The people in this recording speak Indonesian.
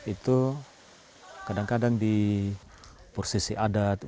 itu kadang kadang di posisi adat